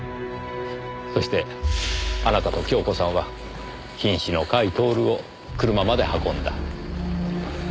そしてあなたと恭子さんは瀕死の甲斐享を車まで運んだ。